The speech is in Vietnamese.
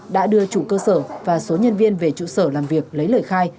đã đưa chủ cơ sở và số nhân viên về trụ sở làm việc lấy lời khai